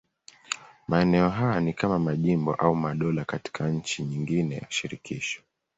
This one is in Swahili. Maeneo haya ni kama majimbo au madola katika nchi nyingine ya shirikisho.